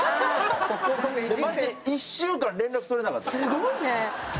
すごいね。